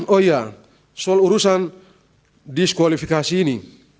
oh iya soal urusan diskualifikasi ini